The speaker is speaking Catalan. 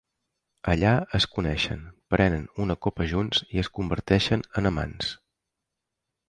Allà, es coneixen, prenen una copa junts i es converteixen en amants.